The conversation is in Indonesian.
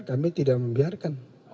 kami tidak membiarkan